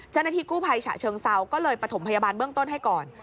เจ้าหน้าที่กู้ภัยฉะเชิงเซาก็เลยประถมพยาบาลเบื้องต้นให้ก่อน